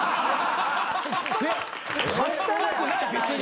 はしたなくない別に。